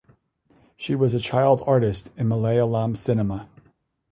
She was a child artist in Malayalam cinema.